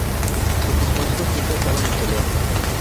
Sus encuentros siempre acaban en peleas.